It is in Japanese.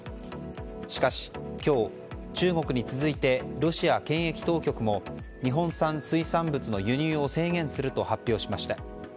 しかし、今日中国に続いてロシア検疫当局も日本産水産物の輸入を制限すると発表しました。